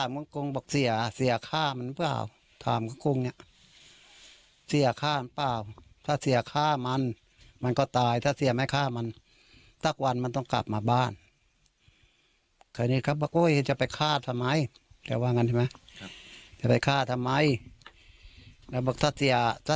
อะผมฆ่าคนแล้วไม่ติดคุกหลอกเขาเม้าด้วยน่ะ